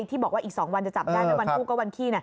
ที่บอกว่าอีก๒วันจะจับได้ไหมวันทูบก็วันขี้